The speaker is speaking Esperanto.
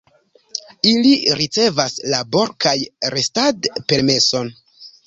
Ili ricevas labor- kaj restad-permeson.